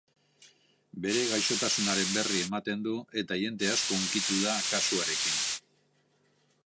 Bere gaixotasunaren berri ematen du eta jende asko hunkitu da kasuarekin.